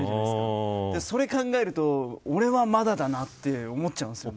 それを考えると、俺はまだだなと思っちゃいますよね。